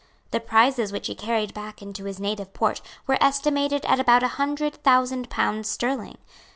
The prizes which he carried back into his native port were estimated at about a hundred thousand pounds sterling.